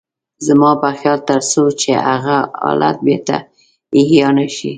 زما په خيال تر څو چې هغه حالت بېرته احيا نه شي.